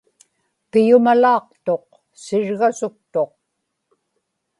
piyumalaaqtuq sirgasuktuq